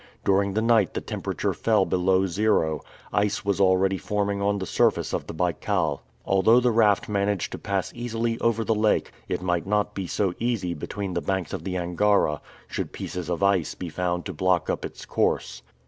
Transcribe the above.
During the night the temperature fell below zero; ice was already forming on the surface of the Baikal. Although the raft managed to pass easily over the lake, it might not be so easy between the banks of the Angara, should pieces of ice be found to block up its course.